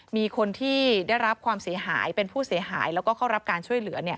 มีคนที่ได้รับความเสียหายเป็นผู้เสียหายแล้วก็เข้ารับการช่วยเหลือ